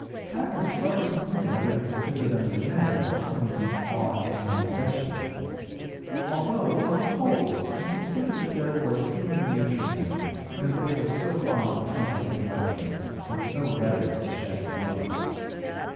Cadmus hardly knew whether to consider them as men, or some odd kind of vegetable; although, on the whole, he concluded that there was human nature in them, because they were so fond of trumpets and weapons, and so ready to shed blood.